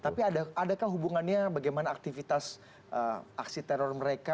tapi adakah hubungannya bagaimana aktivitas aksi teror mereka